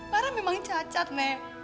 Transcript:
lara memang cacat nek